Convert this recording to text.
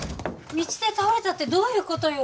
道で倒れたってどういうことよ